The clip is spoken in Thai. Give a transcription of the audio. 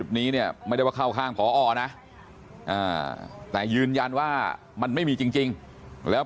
นี้เนี่ยไม่ได้ว่าเข้าข้างพอนะแต่ยืนยันว่ามันไม่มีจริงแล้ว